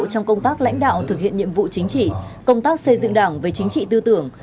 trong công tác lãnh đạo thực hiện nhiệm vụ chính trị công tác xây dựng đảng về chính trị tư tưởng